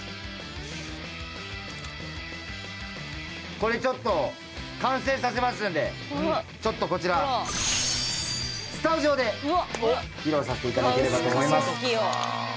これちょっと完成させますんでちょっとこちらスタジオで披露させて頂ければと思います。